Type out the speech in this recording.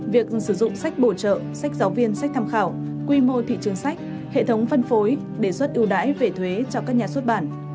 việc sử dụng sách bổ trợ sách giáo viên sách tham khảo quy mô thị trường sách hệ thống phân phối đề xuất ưu đãi về thuế cho các nhà xuất bản